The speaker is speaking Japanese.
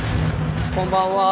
こんばんは。